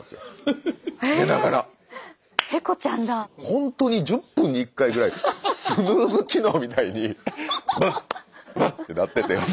ほんとに１０分に１回ぐらいスヌーズ機能みたいにブッブッて鳴ってて。